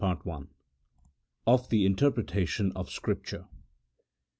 CHAPTER TIL OF THE INTERPRETATION OF SCRIPTURE.